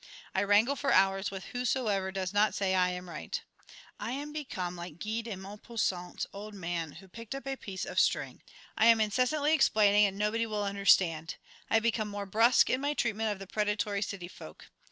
I wrangle for hours with whosoever does not say I am right. I am become like Guy de Maupassant's old man who picked up a piece of string. I am incessantly explaining, and nobody will understand. I have become more brusque in my treatment of the predatory city folk.